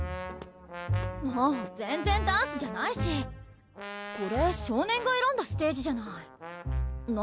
もう全然ダンスじゃないしこれ少年がえらんだステージじゃない何？